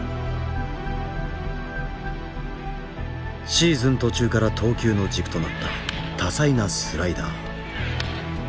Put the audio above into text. シーズン途中から投球の軸となった多彩なスライダー。